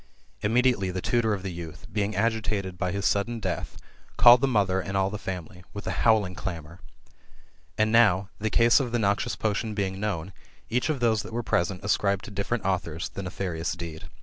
Immediately the tutor of the youth, being agitated by his sudden death, called the mother and all the family, with a howling clamour. And now, the case of the noxious potion being known, each of those that were present ascribed to difier ent authors the nefarious deed.